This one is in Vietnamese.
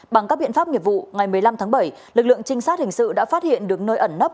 bằng các biện pháp nghiệp vụ ngày một mươi năm tháng bảy lực lượng trinh sát hình sự đã phát hiện được nơi ẩn nấp